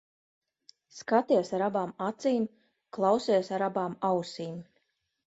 Skaties ar abām acīm, klausies ar abām ausīm.